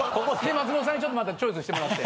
松本さんにちょっとまたチョイスしてもらって。